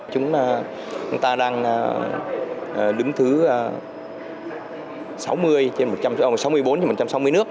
chúng ta đang đứng thứ sáu mươi bốn trên một trăm sáu mươi nước